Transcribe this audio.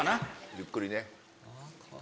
ゆっくりね。